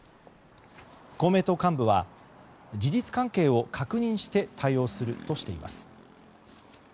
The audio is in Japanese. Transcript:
公明党幹部は事実関係を確認して対応するとしています。